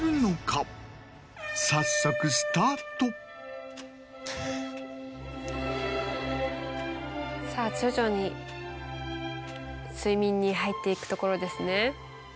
早速。さぁ徐々に睡眠に入っていくところですね。